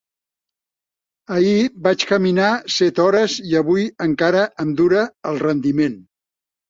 Ahir vaig caminar set hores i avui encara em dura el rendiment.